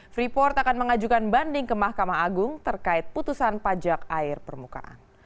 freeport akan mengajukan banding ke mahkamah agung terkait putusan pajak air permukaan